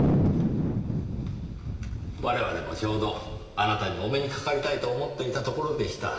我々もちょうどあなたにお目にかかりたいと思っていたところでした。